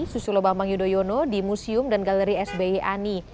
susilo bambang yudhoyono di museum dan galeri sby ani